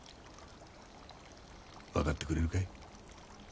分かってくれるかい？